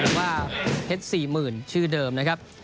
หรือว่าเพชรสี่หมื่นชื่อเดิมนะครับ